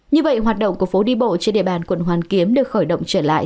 như vậy hoạt động của phố đi bộ trên địa bàn quận hoàn kiếm được khởi động trở lại